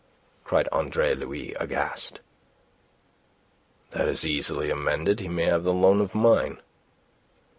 cried Andre Louis, aghast. "That is easily amended. He may have the loan of mine."